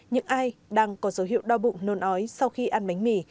những ai đang có dấu hiệu đo bụng nôn ói sau khi ăn bánh mì